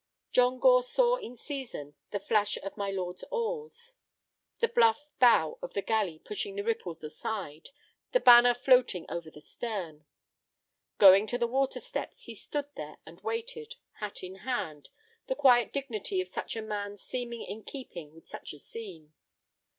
John Gore saw in season the flash of my lord's oars, the bluff bow of the galley pushing the ripples aside, the banner floating over the stern. Going to the water steps, he stood there and waited, hat in hand, the quiet dignity of such a man seeming in keeping with such a scene.